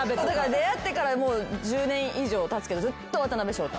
出会ってからもう１０年以上たつけどずっと渡辺翔太。